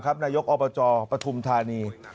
ครับนายกอปเจ้าปธรพธรรมธรณี